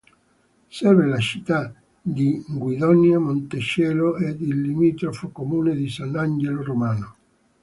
Serve la città di Guidonia Montecelio ed il limitrofo comune di Sant'Angelo Romano.